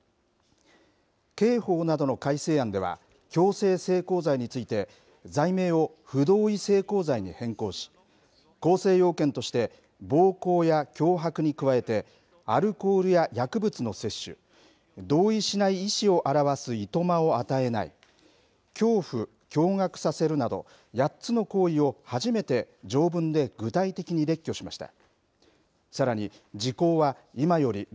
刑法などの改正案では強制性交罪について、罪名を不同意性交罪に変更し構成要件として暴行や脅迫に加えてアルコールや薬物の摂取同意しない意思を表すいとまを与えない恐怖・驚がくさせるなど８つの行為を初めて条文で具体的に列挙しました。